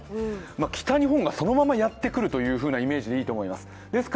北日本がそのままやってくるというイメージでいいと思います。